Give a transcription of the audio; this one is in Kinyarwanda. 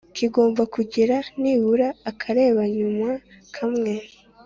kigomba kugira nibura akarebanyuma kamwe